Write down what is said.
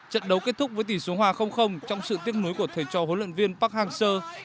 trận đấu kết thúc với tỷ số hòa trong sự tiếc núi của thầy trò huấn luyện viên park hang seo